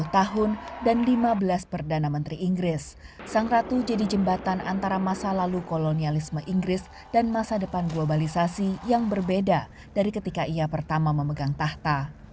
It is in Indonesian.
sepuluh tahun dan lima belas perdana menteri inggris sang ratu jadi jembatan antara masa lalu kolonialisme inggris dan masa depan globalisasi yang berbeda dari ketika ia pertama memegang tahta